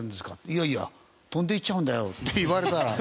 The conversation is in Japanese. いやいや飛んでいっちゃうんだよって言われたら。